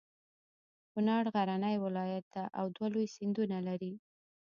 کنړ غرنی ولایت ده او دوه لوی سیندونه لري.